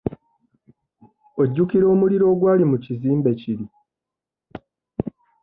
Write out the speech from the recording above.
Ojjukira omuliro ogwali mu kizimbe kiri?